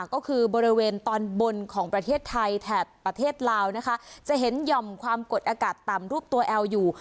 ก็คือบริเวณตอนบนของประเทศไทยแถบประเทศลาวนะคะจะเห็นหย่อมความกดอากาศต่ำรูปตัวแอลอยู่